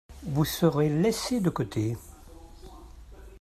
Vous serez laissés de côté.